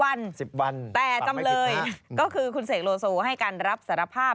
วัน๑๐วันแต่จำเลยก็คือคุณเสกโลโซให้การรับสารภาพ